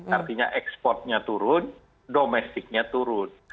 artinya ekspornya turun domestiknya turun